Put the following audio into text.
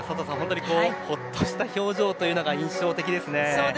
ほっとした表情というのが印象的ですね。